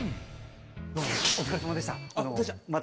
どうもお疲れさまでした。